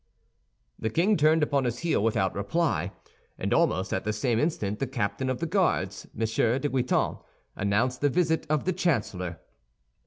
The king turned upon his heel without reply, and almost at the same instant the captain of the Guards, M. de Guitant, announced the visit of the chancellor.